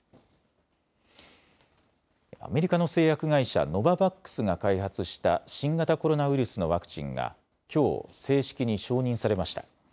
アメリカの製薬会社、ノババックスが開発した新型コロナウイルスのワクチンがきょう、正式に承認されました。